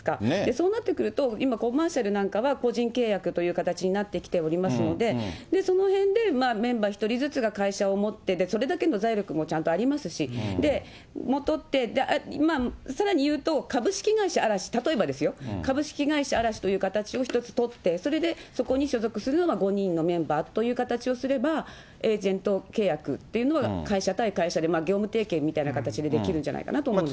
そうなってくると、今、コマーシャルなんかは個人契約という形になってきておりますので、そのへんでメンバー１人ずつが会社を持って、それだけの財力もちゃんとありますし、さらにいうと、株式会社嵐、例えばですよ、株式会社嵐という形を取って、それでそこに所属するのが５人のメンバーという形をすれば、エージェント契約っていうのが、会社対会社で業務提携みたいな形でできるんじゃないかと思います。